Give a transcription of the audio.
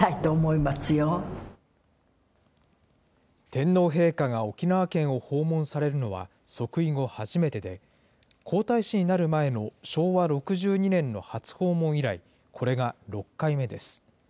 天皇陛下が沖縄県を訪問されるのは即位後初めてで、皇太子になる前の昭和６２年の初訪問以来、これが６回目です。